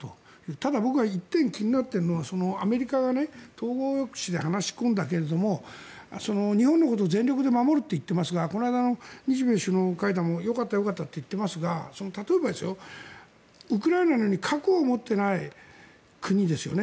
ただ、僕が１点、気になっているのはアメリカが統合抑止で話し込んだけど日本のことを全力で守るといってますがこの間の日米首脳会談良かったと言っていますが例えば、ウクライナのように核を持っていない国ですよね。